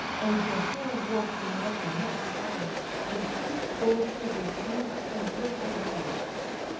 And the whole war came out, and met the eye; And each bold figure seem'd to live or die.